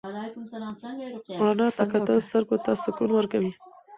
رڼا ته کتل سترګو ته سکون ورکوي.